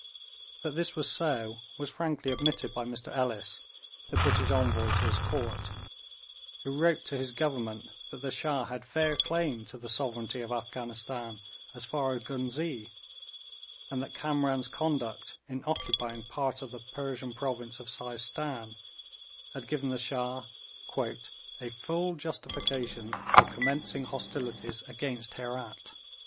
That this was so was frankly admitted by Mr Ellis, the British envoy to his Court, who wrote to his Government that the Shah had fair claim to the sovereignty of Afghanistan as far as Ghuznee, and that Kamran's conduct in occupying part of the Persian province of Seistan had given the Shah 'a full justification for commencing hostilities against Herat.'